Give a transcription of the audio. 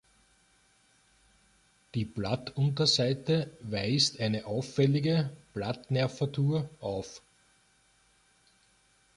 Die Blattunterseite weist eine auffällige Blattnervatur auf.